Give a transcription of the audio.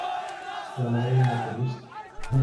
Súa nai é unha pianista.